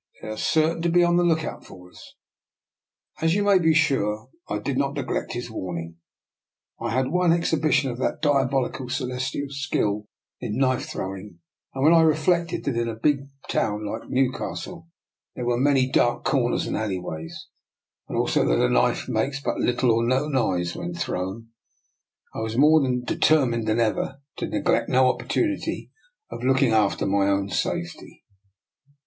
" They are certain to be on the lookout for us." As you may be sure, I did not neglect his warning. I had had one exhibition of that diabolical Celestial's skill in knife throwing, and when I reflected that in a big town like Newcastle there were many dark corners and alleyways, and also that a knife makes but little or no noise when thrown, I was more de termined than ever to neglect no opportunity of looking after my own safety.